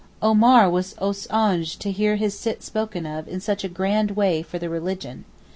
Omar was aux anges to hear his Sitt spoken of 'in such a grand way for the religion.